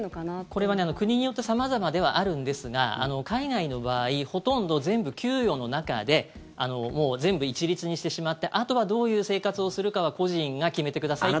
これは国によって様々ではあるんですが海外の場合ほとんど全部、給与の中で全部一律にしてしまってあとはどういう生活をするかはあなた次第なんだ。